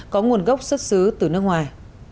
có nguồn gốc xuất xứ từ nước ngoài